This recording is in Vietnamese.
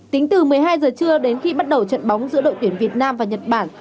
tính từ một mươi hai giờ trưa đến khi bắt đầu trận bóng giữa đội tuyển việt nam và nhật bản